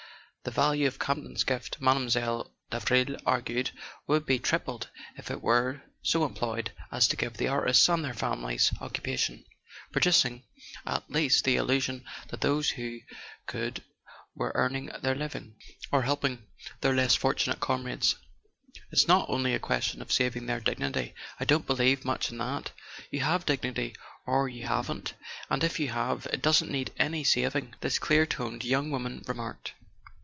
The value of Campton's gift, Mile. Davril argued, would be tripled if it were so employed as to give the artists and their families occupation: producing at [ 170 ] A SON AT THE FRONT least the illusion that those who could were earning their living, or helping their less fortunate comrades. "It's not only a question of saving their dignity: I don't believe much in that. You have dignity or you haven't—and if you have, it doesn't need any sav¬ ing," this clear toned young woman remarked.